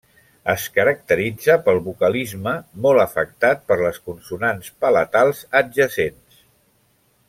Es caracteritza pel vocalisme, molt afectat per les consonants palatals adjacents.